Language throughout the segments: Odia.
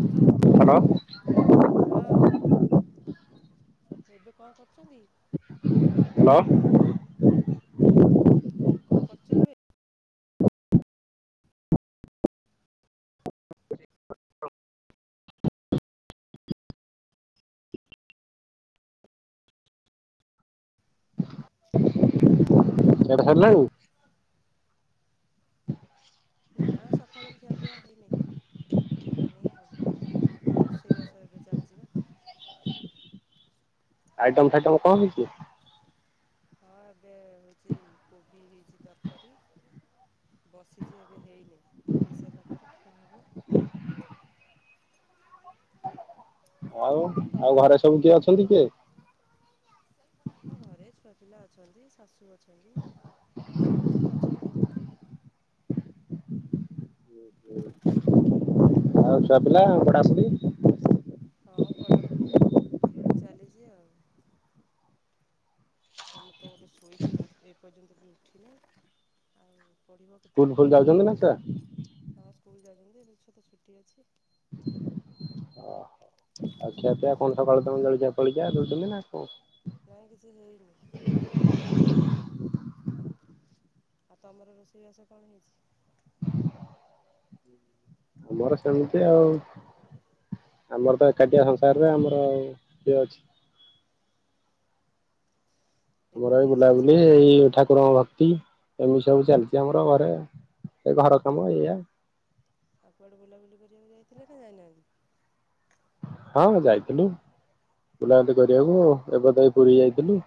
ହ୍ୟାଲୋ ହ୍ୟାଲୋ ହଁ ଏବେ କଣ କ।। ହ୍ୟାଲୋ [inaudible] କଣ କରର୍ଚ ଏବେ। ଖିଆ ପିଆସାରିଲାନି। [inaudible] ନା ସକାାଳୁ ଖିଆ ପିଇଆ ହେଇନି। ଏଇନାଇ ହବ ଆଉ ରୋଷେଇବାସ ଏବେ ଚାଲିଯିବା। ଆଇଟମ ସାଇଟମ କଣ ହେଇଛି? ହଁ ଏବେ ହେଉଛି କୋବି ହେଇଛି ତରକାରୀ ବସିଛି ଏବେ ହେଇନି ହେଇସାରିଲା ପରେ ଖିଆ ହବ। [inaudible] ଆଉ ଆଉ ତମର ଘରେ ସବୁ କିଏ ଅଛନ୍ତି କିଏ? ମୋ ଘରେ ଛୁଆ ପିଲା ଅଛନ୍ତି ଶାଶୁ ଅ ସମସ୍ତେ ଅଛନ୍ତି। ଆଉ ଛୁଆ ପିଲା ପଡାପଡ଼ି। ହଁ ପଢ଼ାପୁଦି ଚାଲିଛି ଆଉ। ଆ ମୁଁ ତ ଗୋଟେ ଶୋଇଛି ଏ ପର୍ଯ୍ୟନ୍ତ ବି ଉଠିନି ଆଉ ପଢ଼ିବ ସ୍କୁଲ ଫୁଲ ଯାଉଛନ୍ତି ନା ଛୁଆ? କେତେବେଳେ ସ୍କୁଲ ଯାଇ ଛ ତ ଛୁଟି ଅଛି। ଓ ହୋ ଉ। ିଆ କଣ ସକାଳ ଆଉ ତମ ଜଳିଆ ପଳଳିଆ ଦଉଛନ୍ତି ନା? ହୁଁ। ନାଇଁ କିଛି ହେଇନି ହବ ଆଉ। ଆଉ ତମର ରୋଷେଇବାସ କଣ ହେଇଛି? ଆମର ସେମିତି ଆଉ ଆମର ତ ଏକାଠିଆ ସଂସାରରେ ଆମର କିଏ ଅଛି? ତମର ବି ଏକୁଟିଆ ବୁଲାବୁଲି ସଂସାରରେ ଏଇ ଠାକୁରଙ୍କ ଭକ୍ତି। ଏମି ସବୁ ଚାଲିଚି ଆମର ଘରେ ଏଇ ଘର କାମ ଏଇଆ। ଆଉ କୁଆଡେ ବୁଲାବୁଲି କରିବାକୁ ଯାଇଥିଲେ ଯାଇନାହାନ୍ତି? ହଁ ଯାଇଥିଲୁ ବୁଲାବୁଲି କରିବାକୁ ଏବେ ତ ଏଇ ପୁରି ଯାଇଥିଲୁ।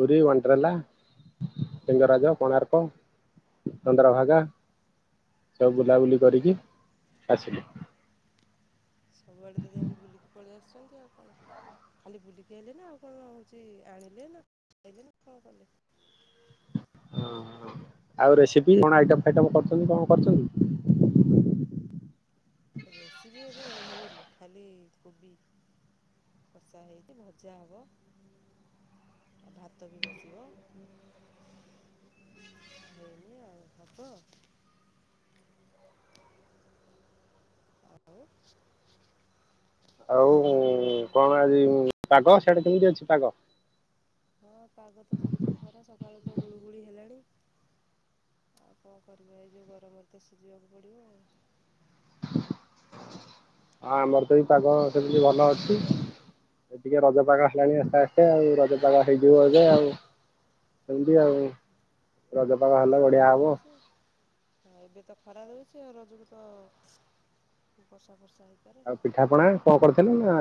ପୁରି, ୱେଣ୍ଡରାଲା, ଲିଙ୍ଗରାଜ, କୋଣାର୍କ, ଚନ୍ଦ୍ରଭାଗା ସବୁ ବୁଲାବୁଲି କରିକି ଆସିଲୁ। ସବୁଆଡେ ତ ଯାଇକି ବୁଲିକି ପଳେଇ ଆସିୁଚନ୍ତି ଆଉ କଣ ଖାଲି ବୁଲିକି ଆଇଲେ ନା ଆଉ କଣ ହୋଉଚି ଆଣିଲେ ନା ଯାଇଥିଲେ କଣ କଲେ? ହଁ ଆଉ ରେସିପି କଣ ଆଇଟମ୍ ଫାଇଟମ୍ କରୁଚନ୍ତି, କଣ କରୁଚନ୍ତି? ରେସିପି ଏବେ ହେଇନି ଖାଲି କୋବି କଷା ହେଇଚି। ଭଜା ହବ ଆଉ ଭାତ ବି ବସିବ ହେଇନି ଆଉ ହବ। ଆଉ ଆଉ କଣ ଆଜି ପାଗ ସିଆଡେ କେମିତି ଅଛି ପାଗ? ହଁ ପାଗ ତ ସେମିତି ଖରା ସକାଳୁ ତ ଗୁଳୁଗୁଳି ହେଲାଣି ଆଉ କଣ କରିବା ଏଇ ଯୋଉ ଗରମରେ ତ ସିଝିବାକୁ ପଡିବ ଆଉ। ହଁ ଆମର ତ ଏଇ ପାଗ ସେମିତି ଭଲ ଅଛି। ଏ ଟିକେ ରଜ ପାଗ ହେଲାଣି ଆସ୍ତେ ଆସ୍ତେ ଆଉ ରଜ ପାଗ ହେଇଯିବ ଏବେ ଆଉ ସେମିତି ଆଉ। ରଜ ପାଗ ଏବେ ହେଲେ ତ ବଢିଆ ଖରା ହବ ଦୋଉଚି ହଁ ଏବେ ତ ଖରା ଦୋଉ ଚି ଆଉ ରଜକୁ ତ ବର୍ଷା ଫର୍ଷା ହେଇପାରେ ଆଉ ପିଠାପଣା କଣ କରିଥିଲେ ନା?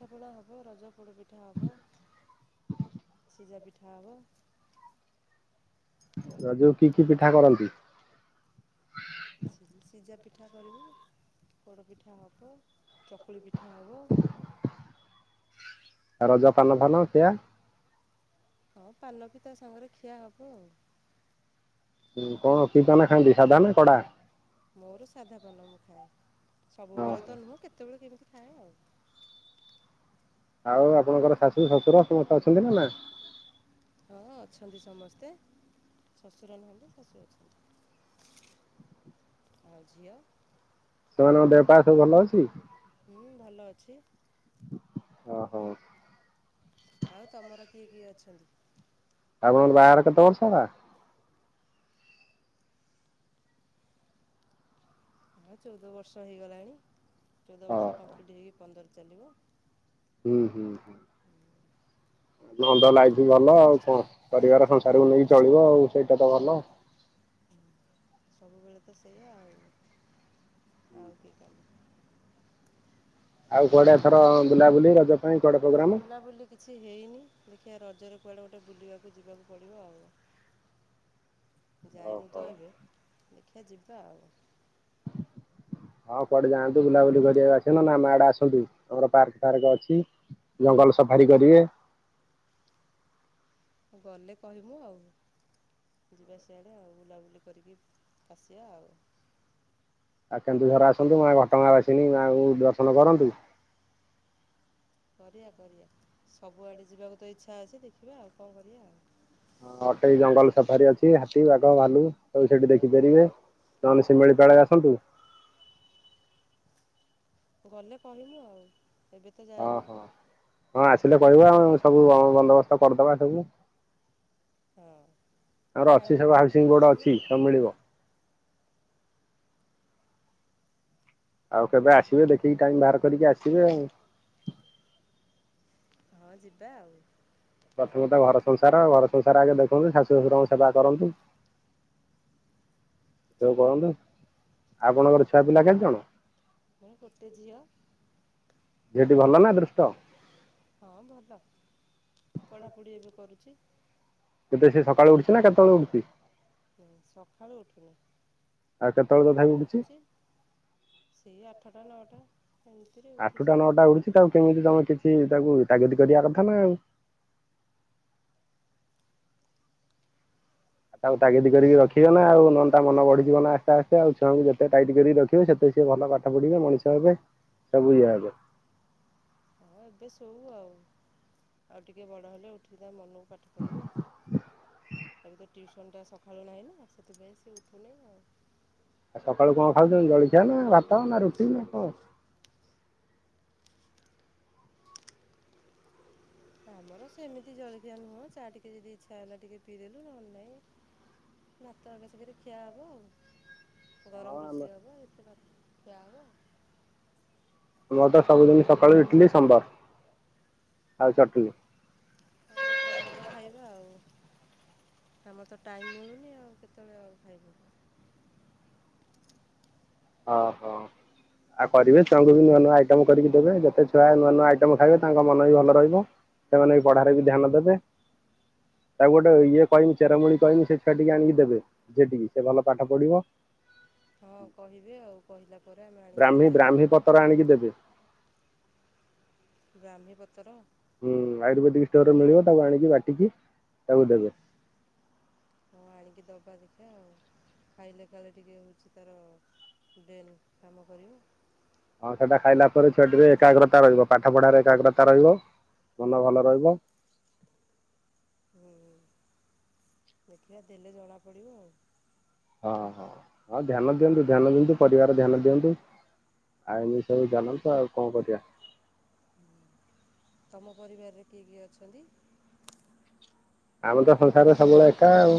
ପିଠା ପଣା ହବ ରଜ ପୋଡପି ପିଠା ହବ ସିଜି ପି ଠା ହବ। ରାଜ କୁ କି କି ପିଠା କରନ୍ତି? ସିଝା ପିଠା କରିବୁ ପୋଡ ପିଠା ହେବ ଚକୁଳି ପିଠା ହବ। ଆଉ ରଜ ପାନ ଫନ ଖିଆ। ହଁ ପାନ ପିତା ସାଙ୍ଗରେ ଖିଆ ହବ ଆଉ। ଉଁ କଣ କି ପାନ ଖାନ୍ତି ସାଧା ନା କଡା? ମୋର ସାଧା ପନମ ଖାଏ। ସବୁବେଳେ ଓହୋ ତ ନୁହଁ କେତେବେଳେ କେମିତି ଖାଏ ଆଉ ଆଉ ଆପଣଙ୍କର ଶାଶୁ ଶଶୁର ସମସ୍ତେ ଅଛନ୍ତି ନା ନା? ହଁ ଅଛନ୍ତି ସମସ୍ତେ ଶ୍ୱଶୁର ନୁହନ୍ତି ଶଶୁର ଅଛନ୍ତି ଆଉ ଝିଅ ସେମାନଙ୍କ ଦେହ ପାର ସବୁ ଭଲ ଅଛି? ହୁଁ ଭଲ ଅଛି। ହ ହଉ। ଆଉ ତମର କିଏ କିଏ ଅଛନ୍ତି? ଆପଣ ବାହାରହାର କେତ ବର୍ଷ ହେଲା? ହଁ ଚଉଦ ବର୍ଷ ହେଇଗଲାଣି। ଚଉଦ ହଁ ବର୍ଷ [unintelligible] ହେଇ ପନ୍ଦର ଚାଲିବ। ହୁଁ ହୁଁ ହୁଁ। ନନ୍ଦ ଲାଇଫ ବି ଭଲ ଆଉ କଣ ପରିବାର ସଂସାରକୁ ନେଇକି ଚଳିବ ଆଉ ସେଇଟା ତ ଭଲ। ସବୁବେଳେ ତ ସେଇଆ ଆଉ। [unintelligible] ଆଉ କୁଆଡେ ଥର ବୁଲାବୁଲି ରଜ ପାଇଁ କୁଆଡେ ପ୍ରୋଗ୍ରାମ? ବୁଲାବୁଲି କିଛି ହେଇନି? ଖିଆ ରଜରେ କୁଆଡ଼େ ଗୋଟେ ବୁଲିବାକୁ ଯିବାକୁ ପଡ଼ିବ ଆଉ। ଯାଇନୁ ଓହୋ ତ ଏବେ ଦେଖିଆ ଯିବା ଆଉ। ହଁ କୁଆଡେ ଯାଆନ୍ତୁ ବୁଲାବୁଲି କରିବାକୁ ଅସ ନା ମା ଆଡେ ଆସନ୍ତୁ ତମର ପାର୍କ ଫାର୍କ ଅଛି ଜଙ୍ଗଲ ସଫାରି କରିବେ। ଉ ଗଲେ କହମୁ ଆଉ ଯିବା ସିଆଡ଼େ ଆଉ ବୁଲାବୁଲି କରିକି ଆସିବା ଆଉ। ଆଉ କେନ୍ଦୁଝର ଆସନ୍ତୁ ମା ଘଟଗାଁ ଆସିନି ମାଙ୍କୁ ଦର୍ଶନ କରନ୍ତୁ। କରିବା କରିବା ସବୁଆଡେ ଯିବାକୁ ତ ଇଚ୍ଛା ଅଛି ଦେଖିବା ଆଉ କଣ କରିବା ଆଉ। ହଁ ଅଠେଇ ଜଙ୍ଗଲ ସଫାରୀ ଅଛି ହାତୀ ବାଘ ଭାଲୁ ତୁ ସେଠି ଦେଖିପାରିବେ ନହେଲେ ଶିମିଳିପଳ ଆସନ୍ତୁ। ଗଲେ କହିବୁ ଆଉ। ଏବେ ତ ଓଁ ଯାଇନ ହଁ ହଁ ଆସିଲେ କହିବା ଆ ସବୁ ବନ୍ଦୋବସ୍ତ କରିଦବା ଏଠକୁ ହଁ ଆମର ଅଛି ଫ୍ୟାମିଲି ସବୁ ଟ୍ରିପ୍ ହାଉସିଂ ନେଇକି ବୋଡ ଯିମୁ ଅଛି ଆଉ ସବୁ ମିଳିବ ଆଉ କେବେ ଆସିବେ ଦେଖିକି ଟାଇମ ବାହାର କରିକି ଆସିବେ ଆଉ। ହଁ ଯିବା ଆଉ। ପ୍ରଥମେ ତ ଘର ସଂସାର ଘର ସଂସାର ଆଗେ ଦେଖନ୍ତୁ ଶାଶୁ ଶ୍ୱଶୁରଙ୍କ ସେବା କରନ୍ତୁ ସବୁ କରନ୍ତୁ ଆ ଆପଣଙ୍କର ଛୁଆ ପିଲା କେତେ ଜଣ? ହଁ କଟେ ଯଅ ଝିଠି ଭଲ ନା ଦୃଷ୍ଟ? ହଁ ଭଲ କି [inaudible] କେତେ ସେ ସକାଳେୁ ଉଠୁଛି ନା କେତେବେଳେ ଉଠୁଛି। ଆ କିିନି [inaudible] ଆଉ କେତେବେଳେ ତଥାପି ଉଠୁଛି ସେଇ ଆଠଟା ନଅଟା ଏମିତିରେ ଉଠୁଛି ଆଠଟା ଆଉ ନଅଟା ଉଠୁଛି ତାକୁ କେମିତି ତମେ କିଛି ତାକୁ ତାଗତି କରିବା କଥା ନା ଆଉ। ଆଉ ତାକୁ ତାଗିଦ କରିକି ରଖିବନ ନା ଆଉ ନହନ୍ତା ମନ ବଢିଯିବ ନା ଆସ୍ତେ ଆସ୍ତେ ଆଉ ଛୁଆଙ୍କୁ ଯେତେ ଟାଇଟ୍ କରିକି ରଖିବେ ସେତେ ସିଏ ଭଲ ପାଠ ପଢିବେ ମଣିଷ ହେବେ ସବୁ ଇଏ ହବେ ହଁ ଏବେ ସଉ ଆଉ ଆଉ ଟିକେ ବଡ଼ ହେଲେ ଉଠିକ ତା ମନକୁ ପାଠ ପଢିବୁ ତା ନଟା ସକାଳୁ ନାହିଁ ନା ସେଥିପାଇଁ ସେ ଉଠୁନି ଆଉ ଆଉ ସକାଳୁ କଣ ଖାଉଛନ୍ତି ଜଳଖିଆ ନା ଭାତଉ ନା ରୁଟି ନା କ ଆମର ସେମିତି ଜଳଖିଆ ନୁହଁ ଚା ଟିକେ ଯଦି ଇଚଛା ହେଲା ଟିକେ ପିଇଦ ଦେଲୁ ନହେଲେ ନାଇଁ ଭାତ ଆଗସଙ୍ଗରେ ଖିଆ ହବ ଆଉ। ହଁ ଗରମ ଆମ ରୋଷେଇ ହବ ଏତ କ [inaudible] ଆମର ତ ସବୁଦିନ ସକାଳୁ ଟିଲି ସୋମବାର ଆଉ ଚଟଣୀ ଆମ ତ ଭଲ ଖାଇବା ଆଉ ଆମର ତ ଟାଇମ୍ ମିଳୁନି ଆଉ କେତେବେଳେ ଆଉ ଖାଇବୁ। ଓହୋ ଆଉ କରିବେ ୁଆଙ୍କୁ ବି ନୂଆ ନୂଆ ଆଇଟମ କରିକି ଦେବେ ଯେତେ ଛୁଆ ନୂଆ ନୂଆ ଆଇଟମ ଖାଇବେ ତାଙ୍କ ମନ ବି ଭଲ ରହିବ ସେମାନେ ବି ପଢାରେ ବି ଧ୍ୟାନ ଦେବେ ତାକୁ ଗୋଟେ ଇଏ କହିବି ଚେରମୁଳି କହମି ସେ ଛୁଆ ଟିକେ ଆଣିକି ଦେବେ ଯିଏଠିକି ସେ ଭଲ ପାଠ ପଢିବ। ହଁ କହିବି ଆଉ। କହିଲା ପରେ ଆମେ ଆଣିକି ବ୍ରାହ୍ମୀ ଦେଖିଆ ଦେବୁ ବ୍ରାହ୍ମୀ ପତ୍ର ଆଣିକି ଦେବି ବାାମ୍ଭିପତ୍ର ହୁଁ ଆୟୁର୍ବେଦିକ ଷ୍ଟୋରରେ ମିଳିବ ତାକୁ ଆଣିକି ବାଟିକି ତାକୁ ଦେବେ। ହଁ ଆଣିକି ଦେବା ଦେଖିବା ଆଉ ଖାଇଲେ ଖାଇଲେ ଟିକେ ହେଉଛି ତାର ଡ୍ରେନ୍ କାମ କରିବ। ହଁ ସେଟା ଖାଇଲା ପରେ ଛୁଆ ଟ ବି ଏକାଗ୍ରତା ରହିବ ପାଠ ପଢାରେ ଏକାଗ୍ରତା ରହିବ ମନ ଭଲ ରହିବ। ହୁଁ ହୁଁ ଦେଖିବା ଦେଲେ ଜଣାପଡ଼ିବ ଆଉ। ହଁ ହଁ ହଁ ଧ୍ୟାନ ଦିଅନ୍ତୁ ଧ୍ୟାନ ଦିଅନ୍ତୁ ପରିବାର ଧ୍ୟାନ ଦିଅନ୍ତୁ ଆଇନି ସବୁ ଜାଣନ୍ତୁ ଆଉ କଣ କରିବା ତମ ପରିବାରରେ କିଏ କିଏ ଅଛନ୍ତି। ଆମ ତ ସଂସାରରେ ସବୁବେଳେ ଏକା ଆଉ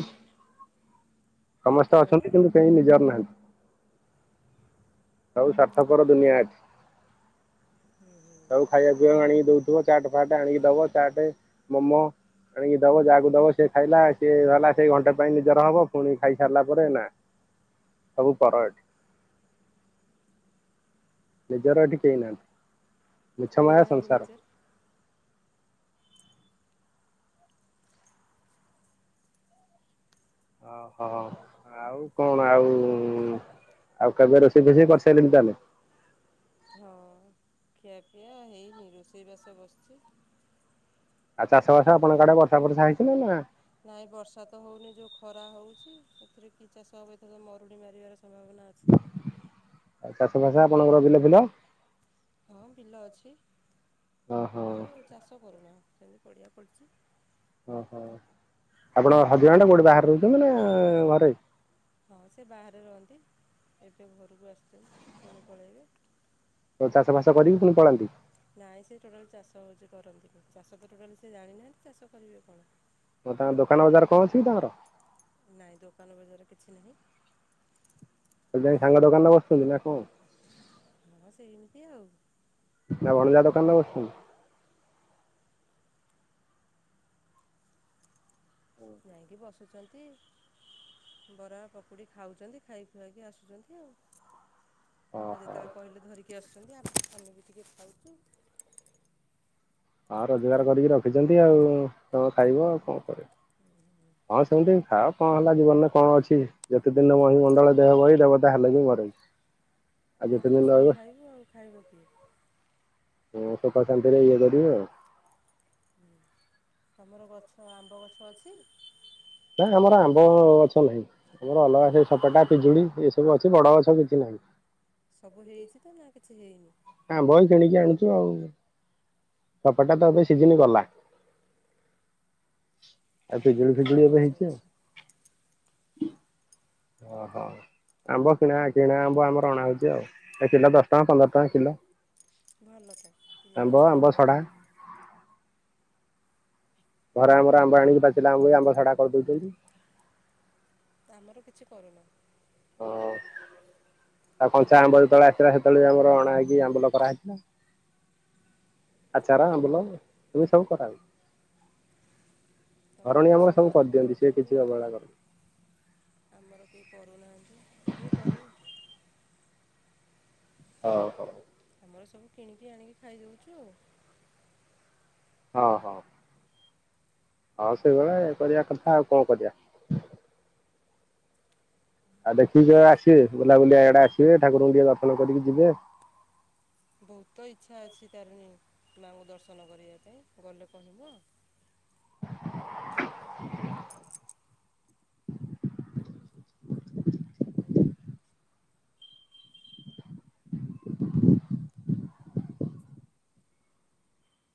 ଏକା ସମସ୍ତେ ମାନେ ଅଛନ୍ତି କିନ୍ତୁ କେହି ନିଜାର ନାହାନ୍ତି। ସବୁ ସାର୍ଥକର ଦୁନିଆ ଅଛି ସବୁ ଖାଇବା ପିଇବାକୁ ଆଣିକି ଦଉଥିବ ଚାଟ ଫାଟ ଆଣିକି ଦବ ଚାଟ ମୋମୋ ଆଣିକି ଦବ ଯାହାକୁ ଦବ ସେ ଖାଇଲା ସିଏ ହେଲା ସେ ଘଣ୍ଟା ପାଇଁ ନିଜର ହବ ପୁଣି ଖାଇସାରିଲା ପରେ ନା ସବୁ ପର ଏଠି ମେଜାରଟି କେ ହେଇନାହା କେହି ମଛମ ନାହାନ୍ତି ସଂସାର ନିଜର ଓହୋ ଆଉ କଣ ଆଉ ଆଉ କେବେ ରୋଷେଇ ରୋଷେଇ କରିସାରିଲଣି ତାହେଲେ ଖିଆ ପିଆ ହେଇନି ରୋଷେଇ ବାସ ବସିଛି ସି ଆଉ ଚାଷ ବାସ ଆପଣଙ୍କ ଆଡେ ବର୍ଷା ଫର୍ଷା ହେଇ [unintelligible] ନାଇଁ ବର୍ଷା ତ ହଉନି ଯୋଉ ଖରା ହଉଛି ଏଥିରେ କି ଚାଷ ହେବ ଏଥର ମରୁଡ଼ି ମାରିବାର ସମ୍ଭାବନା ଅଛି। ଆଉ ଚାଷ ଵାସ ଆପଣଙ୍କର ବିଲ ଫିଲ। ହଁ ବିଲ ଅଛି। ଓହୋ କିନ୍ତୁ ଚାଷ କରୁନା। ସେମିତି ପଡିଆ ପଡିଛି। ଓହୋ ଆପଣ ହଜବ୍ୟାଣ୍ଡ୍ କୋଉଠି ବାହାରେ ରହୁଛନ୍ତି ନା ଘରେ। ହଁ ସେ ବାହାରେ ରହନ୍ତି ଏବେ ଘରକୁ ଆସିଛନ୍ତି ପୁଣି ପଳେଇବେ। ତ ଚାଷ ବାସ କରିକି ପୁଣି ପଳାନ୍ତି। ନାଇଁ ସେ ଚୋଟାଲି ଚାଷ ହଉଛି କରନ୍ତି। ଚାଷ ତ ଟୋଟାଲି ସେ ଜାଣିନାହାନ୍ତି ଚାଷ କରିବେ କଣ? ତ ତାଙ୍କ ଦୋକାନ ବଜାର କଣ ଅଛି କି ତାଙ୍କର। ନାଇଁ ଦୋକାନ ବଜାର କିଛି ନାହିଁ। ଖାଲି ଯାଇ ସାଙ୍ଗ ଦୋକାନରେ ବସୁଛନ୍ତି ନା କଣ? ହଁ ସେଇମିତି ଆଉ। ଆଉ ଅନୂଜା ଦୋକାନରେ ବସୁଛନ୍ତି। ଯାଇକି ବସ୍ ଆସୁଛନ୍ତି ବରା ପକୁଡ଼ି ଖାଉଛନ୍ତି ଖାଇ ଖୁଆଇକି ଆସୁଛନ୍ତି ଆଉ। ଆଉ ଓହୋ ଯେତେବେଳେ କହିଲେ ଧରିକି ଆସୁଛନ୍ ଆମେ ବି ଆମେ ବି ଟିକେ ଖାଉଛୁ। ହଁ ରୋଜଗାର କରିକି ରଖିଛନ୍ତି ଆଉ ତମେ ଖାଇବ ଆଉ କଣ କରିବ ହଁ ସେମିତି ଖାଅ କଣ ହେଲା ଜୀବନରେ କଣ ଅଛି ଯେତେ ଦିନ ମହି ମଣ୍ଡଳ ଦେହ ବହି ଦେବତା ହେଲେ ବି ମରଇ। ଆଉ ଯେତେ ଆମେ ତ ଦିନ ସବୁ ରହିବ ଖାଇବୁ ଆଉ ଖାଇବ କିଏ? [unintelligible] ଶାନ୍ତିରେ ଇଏ କରିବେ ଆଉ। ହଁ ତମର ଗଛ ଆମ୍ବ ଗଛ ଅଛି। ନା ଆମର ଆମ୍ବ ଗଛ ନାହିଁ ଆମର ଅଲଗା ସେ ସପେଟା ପିଜୁଳି ଏ ସବୁ ଅଛି ବଡ ଗଛ କିଛି ନାହିଁ। ସବୁ ହେଇଛି ତ ନା କି? ଛି ହେଇନି। ଆ ବହି କିଣିକି ଆଣୁଛୁ ଆଉ ସପେଟା ତ ଏବେ ସିଜିନି ଗଲା। ଏ ଆମର ପିଜୁଳି ତ ଫିଜୁଳି ଆମ୍ବ ଏବେ ଗଛ ହେଇଛି ଆଉ। ଅଛି ଓହୋ ଆମ୍ବ କିଣା କିଣା ଆମ୍ବ ଆମର ଅଣା ହଉଛି ଆଉ ଏ କିଲ ଦଶ ଟଙ୍କା ପନ୍ଦର ଟଙ୍କା କିଲ। ଭଲ ତ କିଲ ଦଶ ଟଙ୍କା ଆମ୍ବ ସଢା ପନ୍ଦର ଟଙ୍କା। ଘରେ ଆମର ଆମ୍ବ ଆଣିକି ପାଚିଲା ଆମ୍ୱକୁ ଆମ୍ବସଢା କରିଦଉଛନ୍ତି। ଆମର କିଛି କରୁନ। ହଁ ଆଉ କଞ୍ଚା ଆମ୍ବ ଯେତେବେଳେ ଆସିଥିଲା ସେତେବେଳେ ବି ଆମର ଅଣା ହେଇକି ଆମ୍ବୁଲ କରାହେଇଥିଲା। ଆଚାର ଆମ୍ବୁଲ ଇଏ ସବୁ କରାହୁଏ। ତମର ତ ସମସ୍ତେ କରୁଛନ୍ତି କିଛି ଆଉ ଅବହେଳା କରନ୍ତି ଆମର କେହି କରୁନାହାଁନ୍ତି କିଏ କରିବ? ହଉ ହଉ। ଘରେ ସବୁ କିଣିକି ଆଣିକି ଖାଇ ଦଉଛୁ ଆଉ। ହଁ ହଁ। ହଁ ସେଇଭଳିଆ କରିବା କଥା ଆଉ କଣ କରିବା? ଆଉ ଦେଖିକି ଯିବେ ଆସିବେ ବୁଲାବୁଲିଆଆଡେ ଆସିବେ ଠାକୁରଙ୍କୁ ଟିକେ ଦର୍ଶନ କରିକି ଯିବେ ବହୁତ ଇଚ୍ଛା ଅଛି ତାରିଣୀ ମାଙ୍କୁ ଦର୍ଶନ କରିବା ପାଇଁ ଗଲେ କହିବୁ?